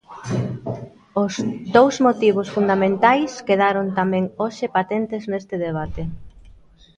Os dous motivos fundamentais quedaron tamén hoxe patentes neste debate.